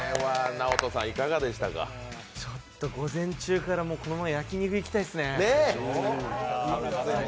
ちょっと午前中からこのまま焼き肉行きたいですね。